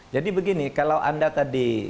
jadi begini kalau anda tadi